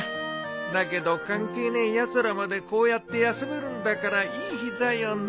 だけど関係ねえやつらまでこうやって休めるんだからいい日だよな